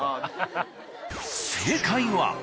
正解は。